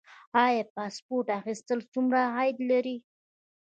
آیا پاسپورت اخیستل څومره عاید لري؟